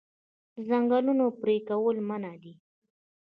د ځنګلونو پرې کول منع دي.